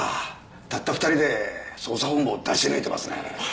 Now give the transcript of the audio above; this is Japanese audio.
たった２人で捜査本部を出し抜いてますね。